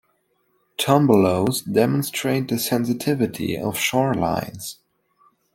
Tombolos demonstrate the sensitivity of shorelines.